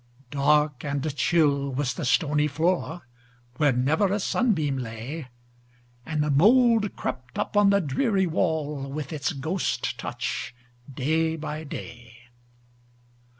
Dark and chill was the stony floor, Where never a sunbeam lay, And the mould crept up on the dreary wall, With its ghost touch, day by day.